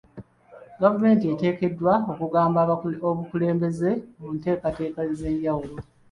Gavumenti eteekeddwa okugaba obukulembeze mu nteekateeka ez'enjawulo.